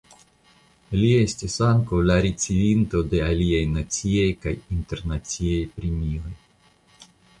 Li estis ankaŭ la ricevinto de aliaj naciaj kaj internaciaj premioj.